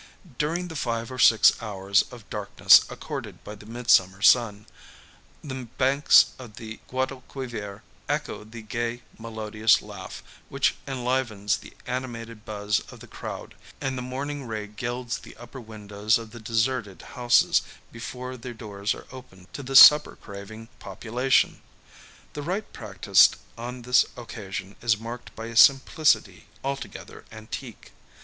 During the five or six hours of darkness accorded by the Midsummer sun, the banks of the Guadalquivir echo the gay melodious laugh, which enlivens the animated buzz of the crowd; and the morning ray gilds the upper windows of the deserted houses before their doors are opened to the supper craving population. The rite practised on this occasion is marked by a simplicity altogether antique.